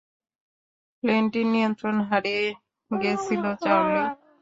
প্লেনটির নিয়ন্ত্রণ হারিয়ে গেছিলো, চার্লি।